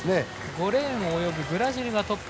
５レーンのブラジルがトップ。